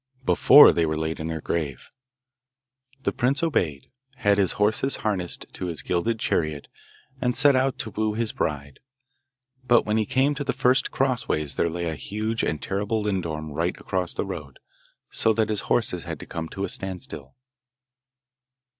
before they were laid in their grave. The prince obeyed, had his horses harnessed to his gilded chariot, and set out to woo his bride. But when he came to the first cross ways there lay a huge and terrible lindorm right across the road, so that his horses had to come to a standstill.